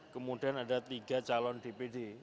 kemudian ada tiga calon dpd